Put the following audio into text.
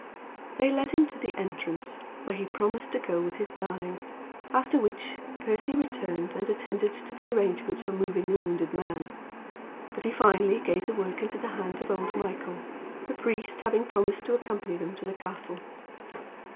They led him to the entrance, where he promised to go with his darling, after which Percy returned and attended to the arrangements for moving the wounded man; but he finally gave the work into the hands of old Michael, the priest having promised to accompany them to the castle.